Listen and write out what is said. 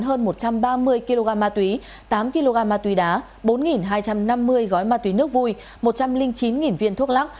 hơn một trăm ba mươi kg ma túy tám kg ma túy đá bốn hai trăm năm mươi gói ma túy nước vui một trăm linh chín viên thuốc lắc